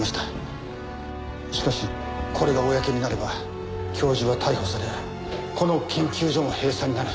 しかしこれが公になれば教授は逮捕されこの研究所が閉鎖になる。